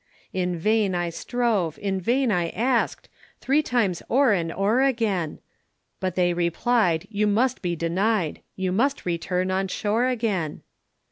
In vain I strove, in vain I ask'd Three times o'er and o'er again, But they replied you must be denied, You must return on shore again.